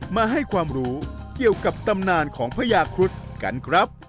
มาให้ความรู้เกี่ยวกับตำนานของพญาครุฑกันครับ